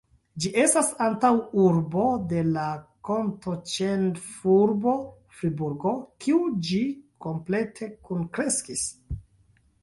Ĝi estas antaŭurbo de la kantonĉefurbo Friburgo, kiu ĝi komplete kunkreskis.